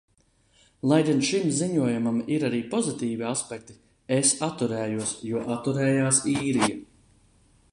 Lai gan šim ziņojumam ir arī pozitīvi aspekti, es atturējos, jo atturējās Īrija.